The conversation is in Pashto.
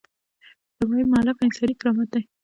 لومړۍ مولفه انساني کرامت دی.